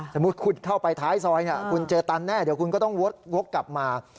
สมมุติคุณเข้าไปท้ายซอยคุณเจอตันแน่เดี๋ยวคุณก็ต้องวกกลับมา